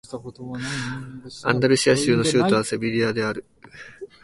アンダルシア州の州都はセビリアである